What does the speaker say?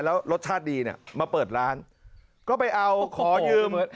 แล้วรสชาติดีเนี่ยมาเปิดร้านก็ไปเอาขอยืม